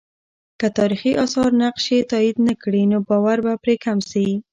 که تاریخي آثار نقش یې تایید نه کړي، نو باور به پرې کم سي.